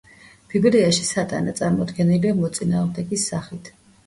ბიბლიაში სატანა წარმოდგენილია მოწინააღმდეგის სახით.